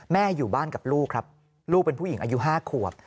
อยู่บ้านกับลูกครับลูกเป็นผู้หญิงอายุ๕ขวบ